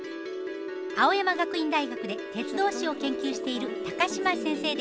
青山学院大学で鉄道史を研究している嶋先生です。